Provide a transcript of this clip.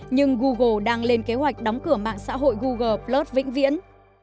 nhưng google đang lên kế hoạch đóng cửa mạng xã hội google plus vĩnh viễn